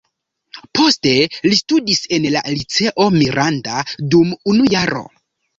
Poste li studis en la "Liceo Miranda" dum unu jaro.